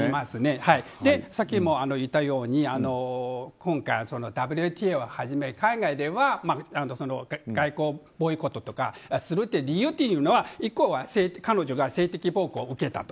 さっきも言ったように今回ＷＴＡをはじめ海外では外交ボイコットとかをする理由というのは１個は彼女が性的暴行を受けたと。